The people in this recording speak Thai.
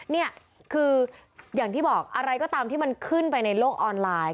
นี่คืออย่างที่บอกอะไรก็ตามที่มันขึ้นไปในโลกออนไลน์